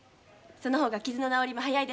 その方が傷の治りも早いですから。